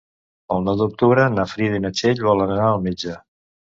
El nou d'octubre na Frida i na Txell volen anar al metge.